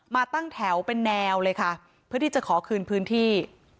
มาตั้งแถวเป็นแนวเลยค่ะเพื่อที่จะขอคืนพื้นที่